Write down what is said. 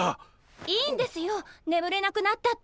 いいんですよ眠れなくなったって。